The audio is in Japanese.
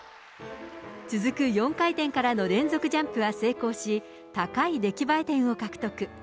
続く４回転からの連続ジャンプは成功し、高い出来栄え点を獲得。